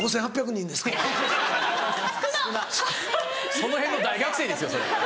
そのへんの大学生ですよそれ。